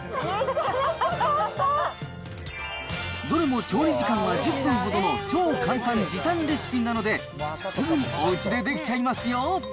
どれも調理時間は１０分ほどの超簡単時短レシピなので、すぐにおうちでできちゃいますよ。